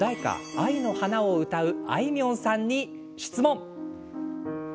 「愛の花」を歌うあいみょんさんに質問。